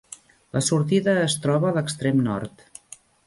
La sortida es troba a l'extrem nord.